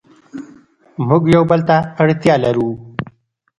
موږ یو بل ته اړتیا لرو.